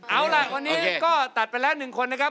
เอาล่ะวันนี้ก็ตัดไปแล้ว๑คนนะครับ